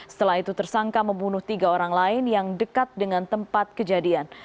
setelah itu tersangka membunuh tiga orang lain yang dekat dengan tempat kejadian